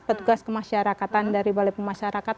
petugas kemasyarakatan dari balai pemasyarakat